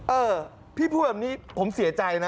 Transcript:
เออพี่พูดแบบนี้ผมเสียใจนะ